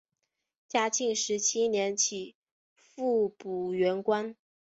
嘉庆十七年起复补原官。